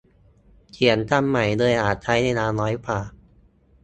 เขียนคำใหม่เลยอาจใช้เวลาน้อยกว่า